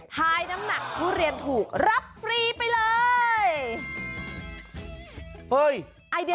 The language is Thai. ทายน้ำหนักทุเรียนถูกรับฟรีไปเลย